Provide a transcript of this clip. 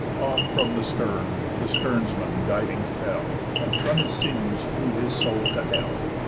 Off from the stern the sternsman diving fell, And from his sinews flew his soul to hell.